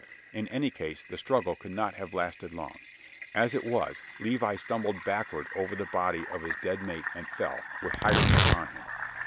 In any case, the struggle could not have lasted long; as it was, Levi stumbled backward over the body of his dead mate and fell, with Hiram upon him.